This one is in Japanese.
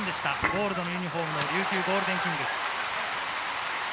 ゴールドのユニホーム、琉球ゴールデンキングス。